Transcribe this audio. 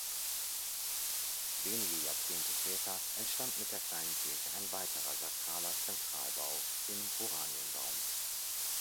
Wenige Jahrzehnte später entstand mit der kleinen Kirche ein weiterer sakraler Zentralbau in Oranienbaum.